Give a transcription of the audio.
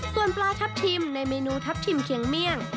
ส่วนปลาทับทิมในเมนูทัพทิมเคียงเมี่ยง